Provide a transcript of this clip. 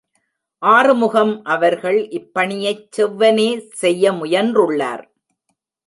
ஆறுமுகம் அவர்கள் இப்பணியைச் செவ்வனே செய்ய முயன்றுள்ளார்.